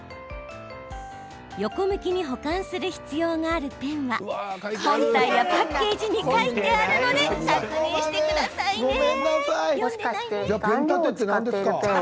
横向きに保管する必要があるペンは本体やパッケージに書いてあるので確認してくださいね。